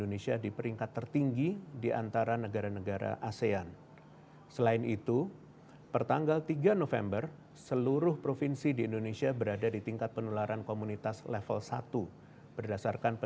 di hari ketiga sedangkan untuk